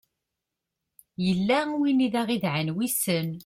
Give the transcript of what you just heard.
yella win i aɣ-d-idɛan wissen